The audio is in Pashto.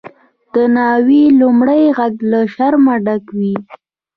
د ناوی لومړی ږغ له شرمه ډک وي.